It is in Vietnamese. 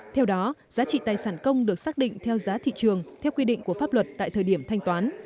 theo đó giá trị tài sản công được xác định theo giá thị trường theo quy định của pháp luật tại thời điểm thanh toán